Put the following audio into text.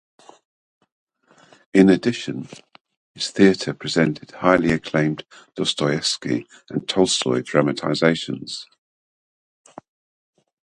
In addition, his theatre presented highly acclaimed Dostoevsky and Tolstoy dramatizations.